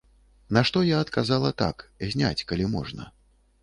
На што я адказала, так, зняць, калі можна.